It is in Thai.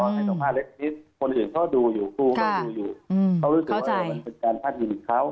ก่อนให้สัมภาษณ์เล็กทริปคนอื่นก็ดูอยู่คู่ก็ดูอยู่เขารู้สึกว่ามันเป็นการพัดหยุดเขา